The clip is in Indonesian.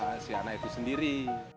kita harus melakukan sesuatu yang lebih baik